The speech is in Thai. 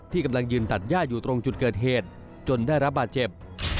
กำลังยืนตัดย่าอยู่ตรงจุดเกิดเหตุจนได้รับบาดเจ็บ